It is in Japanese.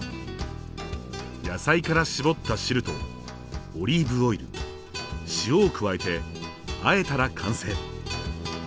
野菜から搾った汁とオリーブオイル塩を加えてあえたら完成。